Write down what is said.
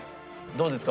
どうですか？